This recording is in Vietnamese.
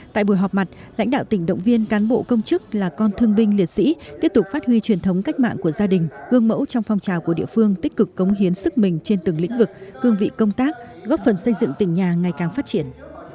tại buổi họp mặt lãnh đạo tỉnh động viên cán bộ công chức là con thương binh liệt sĩ tiếp tục phát huy truyền thống cách mạng của gia đình gương mẫu trong phong trào của địa phương tích cực cống hiến sức mình trên từng lĩnh vực cương vị công tác góp phần xây dựng tỉnh nhà ngày càng phát triển